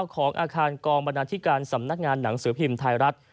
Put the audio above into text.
ของอาคารกองบรรณาธิการสำนักงานหนังสือพิมพ์ไทยรัฐ